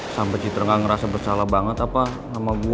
sampai citra gak ngerasa bersalah banget apa sama gue